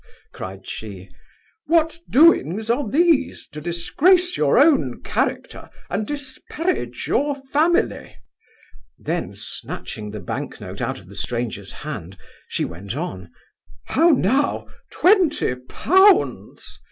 (cried she) what doings are these, to disgrace your own character, and disparage your family?' Then, snatching the bank note out of the stranger's hand, she went on 'How now, twenty pounds!